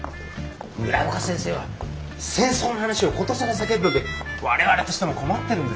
村岡先生は戦争の話を殊更避けるので我々としても困ってるんですよ。